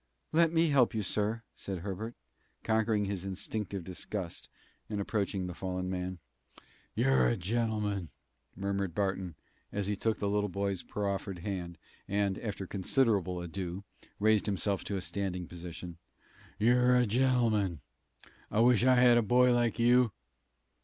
"Let me help you, sir!" said Herbert, conquering his instinctive disgust and approaching the fallen man. "You're a gentleman!" murmured Barton, as he took the little boy's proffered hand and, after considerable ado, raised himself to a standing position. "You're a gentleman; I wish I had a boy like you."